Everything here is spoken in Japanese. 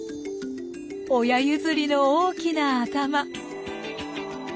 親譲りの大きな頭。